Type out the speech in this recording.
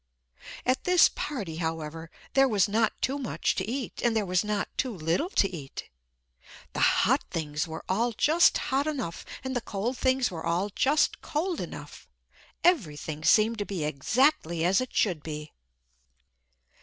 At this party, however, there was not too much to eat and there was not too little to eat. The hot things were all just hot enough and the cold things were all just cold enough. Everything seemed to be exactly as it should be.